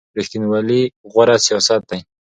ریښتینولي غوره سیاست دی.